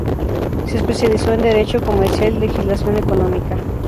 Se especializó en Derecho Comercial y Legislación Económica.